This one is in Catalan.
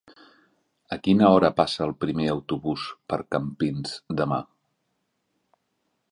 A quina hora passa el primer autobús per Campins demà?